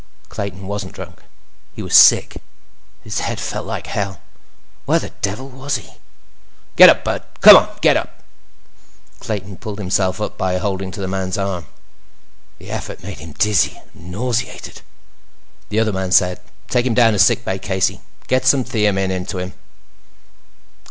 Clayton wasn't drunk—he was sick. His head felt like hell. Where the devil was he? "Get up, bud. Come on, get up!" Clayton pulled himself up by holding to the man's arm. The effort made him dizzy and nauseated. The other man said: "Take him down to sick bay, Casey. Get some thiamin into him."